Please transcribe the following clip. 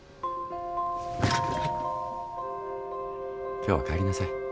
今日は帰りなさい。